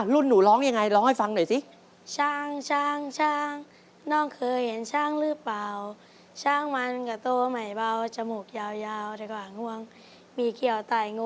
หนูร้องยังไงร้องให้ฟังหน่อยสิ